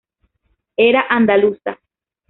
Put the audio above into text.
Era andaluza.